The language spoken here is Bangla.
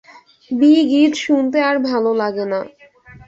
বি গিজ শুনতে আর ভালো লাগে না!